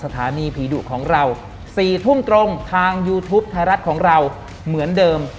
ทางยูทูปไทยรัฐของเราเหมือนเดิม